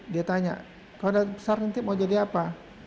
dia tanya kalau ada besar nanti mau jadi apa